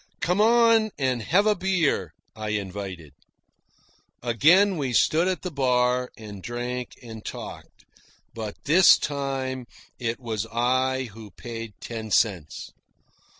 "Come on and have a beer," I invited. Again we stood at the bar and drank and talked, but this time it was I who paid ten cents!